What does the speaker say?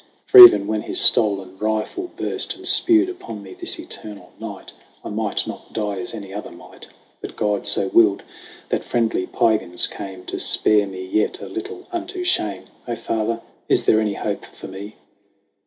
For even when his stolen rifle burst And spewed upon me this eternal night, I might not die as any other might ; But God so willed that friendly Piegans came To spare me yet a little unto shame. O Father, is there any hope for me